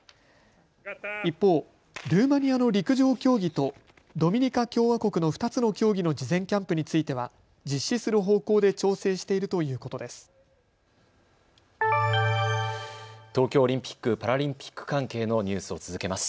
一方、ルーマニアの陸上競技とドミニカ共和国の２つの競技の事前キャンプについては実施する方向で調整しているということです。